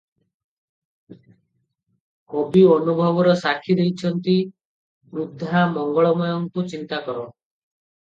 କବି ଅନୁଭବର ସାକ୍ଷୀ ଦେଇଚନ୍ତି- ବୃଦ୍ଧା, ମଙ୍ଗଳମୟଙ୍କୁ ଚିନ୍ତାକର ।